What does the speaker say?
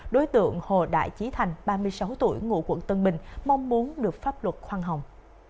đối tượng hồ đại trí thành ba mươi sáu tuổi ngụ quận tân bình mong muốn được pháp luật khoan hồng